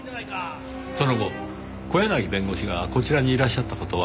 その後小柳弁護士がこちらにいらっしゃった事は？